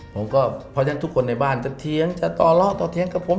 ผมก็เพราะฉะนั้นทุกคนในบ้านจะเถียงจะต่อเลาะต่อเถียงกับผม